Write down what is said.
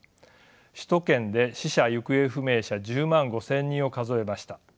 首都圏で死者・行方不明者１０万５，０００人を数えました。